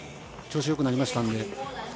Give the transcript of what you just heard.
調子よくなりましたので。